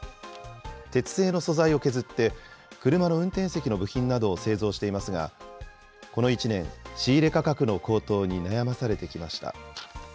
鉄製の素材を削って、車の運転席の部品などを製造していますが、この１年、仕入れ価格の高騰に悩まされてきました。